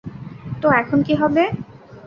তো এখন কী হবে?